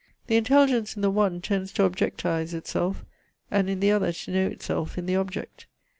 The intelligence in the one tends to objectize itself, and in the other to know itself in the object.